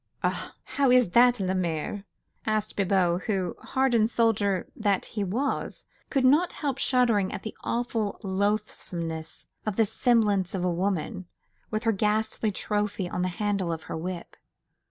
"Ah! how is that, la mère?" asked Bibot, who, hardened soldier though he was, could not help shuddering at the awful loathsomeness of this semblance of a woman, with her ghastly trophy on the handle of her whip.